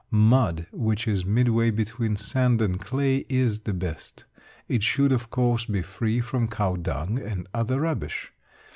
Mud which is midway between sand and clay is the best. It should, of course, be free from cow dung and other rubbish.